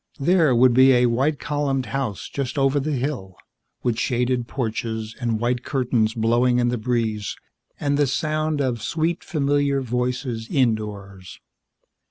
There would be a white columned house just over the hill, with shaded porches and white curtains blowing in the breeze and the sound of sweet, familiar voices indoors.